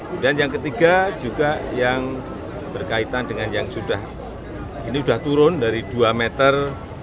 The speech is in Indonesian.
kemudian yang ketiga juga yang berkaitan dengan yang sudah ini sudah turun dari dua meter